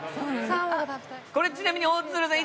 これちなみに大鶴さん